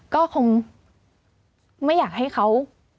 ก็คงไม่อยากให้เขา